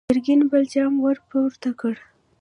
ګرګين بل جام ور پورته کړ!